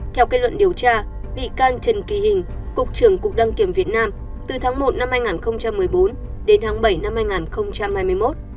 theo kết luận điều tra bị can trần kỳ hình cục trưởng cục đăng kiểm việt nam từ tháng một năm hai nghìn một mươi bốn đến tháng bảy năm hai nghìn hai mươi một